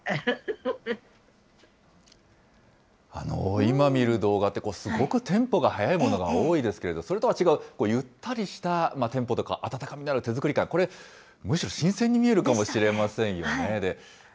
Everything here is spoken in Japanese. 今見る動画って、すごくテンポが速いものが多いですけれども、それとは違う、ゆったりしたテンポとか、温かみのある手作り感、これ、むしろ新鮮に見えるかもしれないですよね。